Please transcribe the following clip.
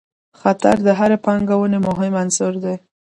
خطر د هرې پانګونې مهم عنصر دی.